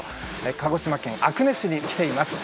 鹿児島県阿久根市に来ています。